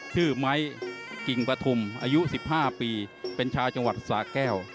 ไม้กิ่งปฐุมอายุ๑๕ปีเป็นชาวจังหวัดสาแก้ว